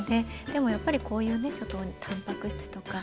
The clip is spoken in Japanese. でもやっぱりこういうねちょっとたんぱく質とか。